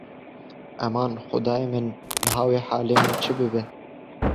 Eman, Xwedayê min! Niha wê halê min çi bibe?